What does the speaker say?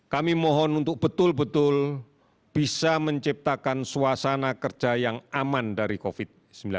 kami mohon untuk betul betul bisa menciptakan suasana kerja yang aman dari covid sembilan belas